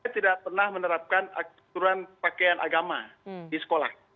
tidak pernah menerapkan aturan pakaian agama di sekolah